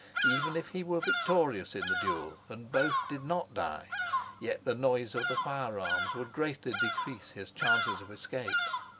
Even if he were victorious in the duel, and both did not die, yet the noise of the firearms would greatly decrease his chances of escape.